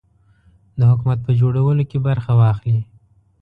د حکومت په جوړولو کې برخه واخلي.